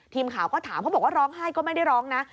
ทีมข่าวก็ถามเขาบอกว่าร้องไห้ก็ไม่ได้ร้องนะ